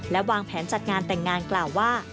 และวางแผนจัดงานแต่งงานกล่าวว่า